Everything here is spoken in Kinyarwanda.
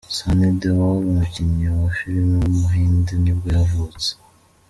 Sunny Deol, umukinnyi wa filime w’umuhinde nibwo yavutse.